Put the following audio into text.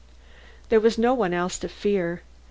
There was no one else to fear.